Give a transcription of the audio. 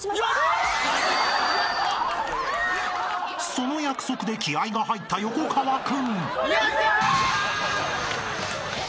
［その約束で気合が入った横川君］